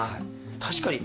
確かに。